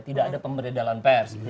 tidak ada pemberedalan pers